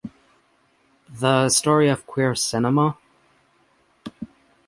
The Story Of Queer Cinema".